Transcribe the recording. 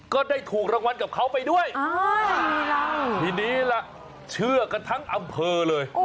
ก็ได้ถูกรางวัลกับเขาไปด้วยทีนี้ล่ะเชื่อกันทั้งอำเภอเลย